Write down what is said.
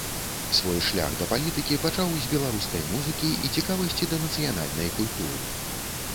Свой шлях да палітыкі пачаў з беларускай музыкі і цікавасці да нацыянальнай культуры.